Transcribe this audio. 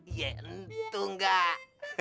ya itu enggak